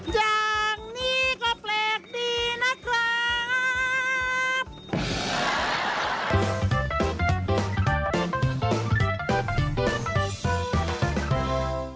อย่างนี้ก็แปลกดีนะครับ